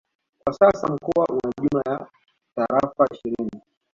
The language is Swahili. Kwa sasa mkoa una jumla ya Tarafa ishirini